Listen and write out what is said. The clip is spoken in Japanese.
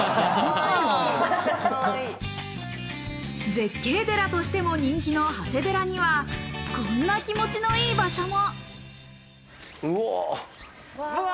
絶景寺としても人気の長谷寺には、こんな気持ちの良い場所も。